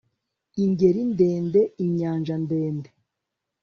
ingeri ndende inyanja ndende